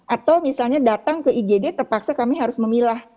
atau misalnya datang ke igd terpaksa kami harus memilah